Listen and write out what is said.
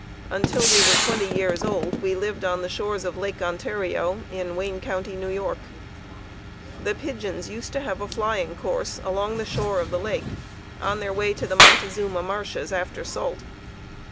Until we were twenty years old we lived on the shores of Lake Ontario in Wayne County, N. Y. The pigeons used to have a flying course along the shore of the lake on their way to the Montezuma marshes after salt.